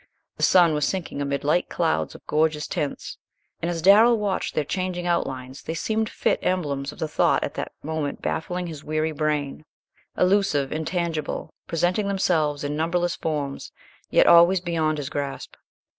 The sun was sinking amid light clouds of gorgeous tints, and as Darrell watched their changing outlines they seemed fit emblems of the thoughts at that moment baffling his weary brain, elusive, intangible, presenting themselves in numberless forms, yet always beyond his grasp.